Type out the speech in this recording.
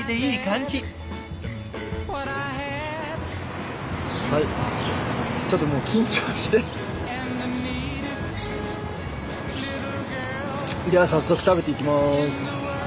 じゃあ早速食べていきます。